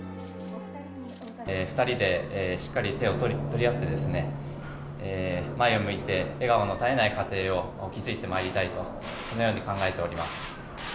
２人でしっかり手を取り合ってですね、前を向いて、笑顔の絶えない家庭を築いてまいりたいと、そのように考えております。